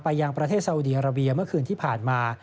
ยังประเทศสาวุดีอาราเบียเมื่อคืนที่ผ่านมา